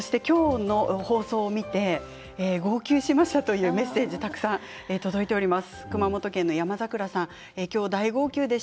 そして今日の放送を見て号泣しましたというメッセージをたくさんいただいています。